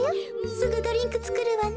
すぐドリンクつくるわね。